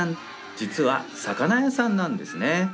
実は魚屋さんなんですね。